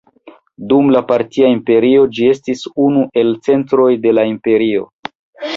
Dum la Partia Imperio ĝi estis unu el centroj de la imperio.